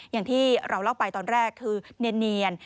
อย่างที่เราเล่าไปตอนแรกคือเนียน